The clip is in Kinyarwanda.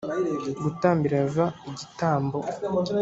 Gutambira yehova igitambo